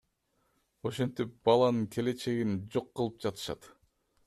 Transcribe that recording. Ошентип баланын келечегин жок кылып жатышат.